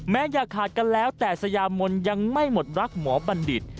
อย่าขาดกันแล้วแต่สยามนยังไม่หมดรักหมอบัณฑิต